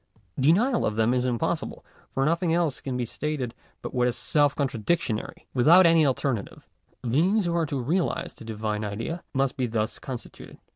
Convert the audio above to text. Denial of them is impossible, for nothing else can be stated but what is self contradictory. Without any alternative, beings who are to realize the Divine Idea must be thus constituted.